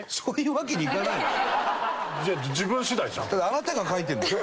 あなたが描いてるんでしょ？